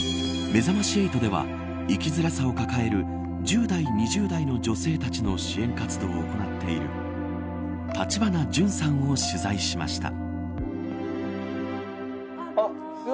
めざまし８では生きづらさを抱える１０代、２０代の女性たちの支援活動を行っている橘ジュンさんを取材しました。